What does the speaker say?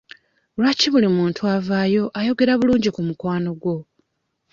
Lwaki buli muntu avaayo ayogera bulungi ku mukwano gwo?